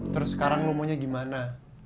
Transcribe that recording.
terus sekarang lo maunya gimana